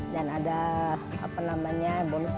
dan ada apa namanya